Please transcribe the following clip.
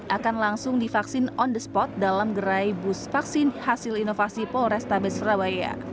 akan langsung divaksin on the spot dalam gerai bus vaksin hasil inovasi polrestabes surabaya